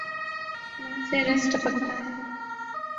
منہ سے رس ٹپکتا ہے